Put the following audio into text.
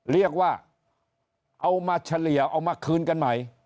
เรียกว่าเอามาเฉลี่ยเอามาคืนกันใหม่